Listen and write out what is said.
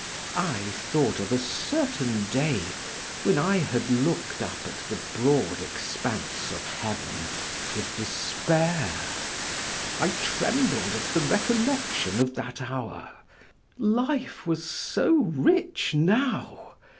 I thought of a certain day when I had looked up at the broad expanse of heaven with despair; I trembled at the recollection of that hour; life was so rich now!